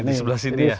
iya di sebelah sini